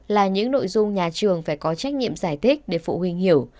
là những nội dung nhà trường phải có trách nhiệm giải thích để phụ huynh hiểu